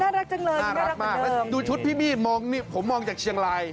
น่ารักจังเลยน่ารักอย่างเดิมน่ารักมากดูชุดพี่มี่ผมมองจากเชียงลาย